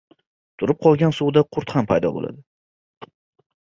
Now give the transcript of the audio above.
• Turib qolgan suvda qurt paydo bo‘ladi.